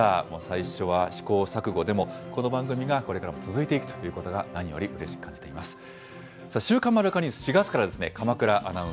もう最初は試行錯誤、でもこの番組がこれからも続いていくということが、何よりうれしく思っています。